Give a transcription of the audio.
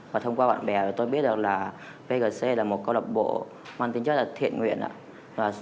và thông qua bạn bè tôi biết được là vgc là một câu lạc bộ mang tính rất là thiện nguyện ạ